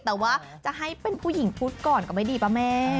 แต่ว่าจะให้เป็นผู้หญิงพุทธก่อนก็ไม่ดีปะแม่